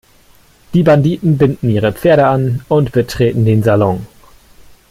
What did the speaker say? Die Banditen binden ihre Pferde an und betreten den Salon.